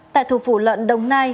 tại thủ phủ lợn đồng nai